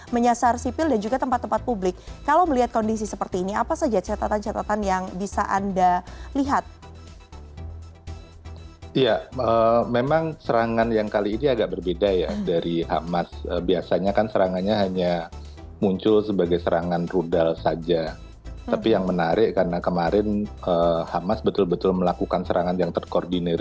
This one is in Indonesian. menarik karena kemarin hamas betul betul melakukan serangan yang terkoordinir